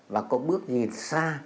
và có bước nhìn xa